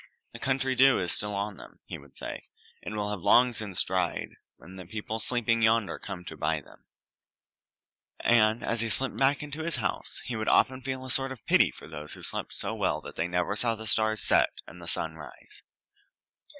"The country dew is still on them," he would say; "it will have dried long since when the people sleeping yonder come to buy them," and, as he slipped back into his house, he would often feel a sort of pity for those who slept so well that they never saw the stars set and the sun rise.